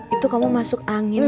itu kamu masuk angin